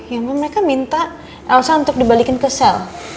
ya mbak mereka minta elsa untuk dibalikin ke sel